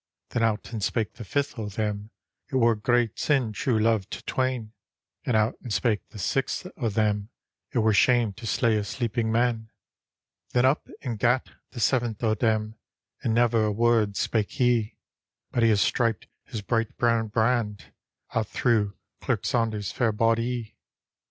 Then out and spake the fifth o' them, " It were great sin true love to twain," And out and spake the sixth o' them, " It were shame to slay a sleeping man." n,r,i,, rnh..G00^le The Haunted Hour Then up and gat the seventh o' diem, And never a word spake he; But he has striped his bright brown brand Out through Clerk Saunders' fair bodye.